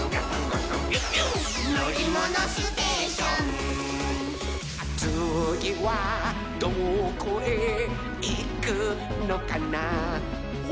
「のりものステーション」「つぎはどこへいくのかなほら」